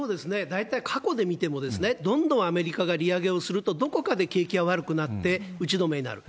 大体、過去で見ても、どんどんアメリカが利上げをすると、どこかで景気は悪くなって打ち止めになる。